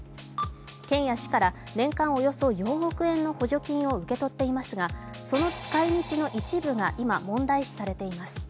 県や市から年間およそ４億円の補助金を受け取っていますがその使い道の一部が今、問題視されています。